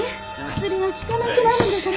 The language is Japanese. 薬が効かなくなるんだから。